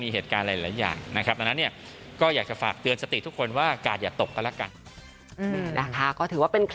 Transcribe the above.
มีเหตุการณ์หลายอย่าง